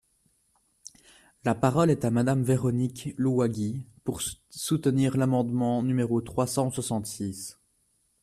La parole est à Madame Véronique Louwagie, pour soutenir l’amendement numéro trois cent soixante-six.